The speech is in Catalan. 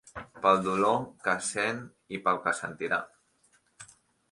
Pel dolor que sent i pel que sentirà.